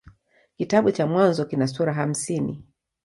Kitabu cha Mwanzo kina sura hamsini.